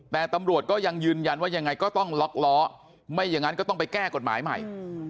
แต่ตำรวจก็ยังยืนยันว่ายังไงก็ต้องล็อกล้อไม่อย่างนั้นก็ต้องไปแก้กฎหมายใหม่